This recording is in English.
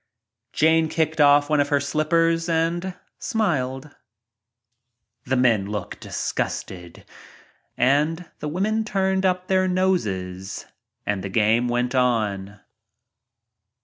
Jane kicked off one of her slippers and smiled. ' 30 PARTIES The men looked disgusted and the women turned up their noses and the game went on.